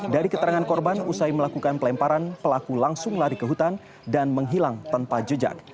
dari keterangan korban usai melakukan pelemparan pelaku langsung lari ke hutan dan menghilang tanpa jejak